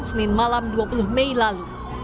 senin malam dua puluh mei lalu